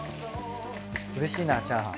うれしいなチャーハン。